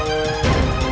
tidak bisa kami serahkan